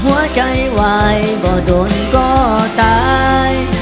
ฐานใจไหวบ่โดนก็ตาย